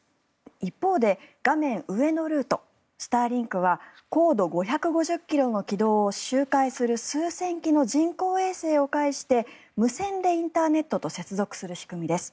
一方で、画面上のルートスターリンクは高度５５０ｋｍの軌道を周回する数千基の人工衛星を介して無線でインターネットと接続する仕組みです。